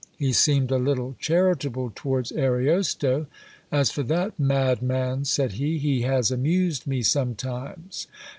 He seemed a little charitable towards Ariosto. "As for that madman," said he, "he has amused me sometimes."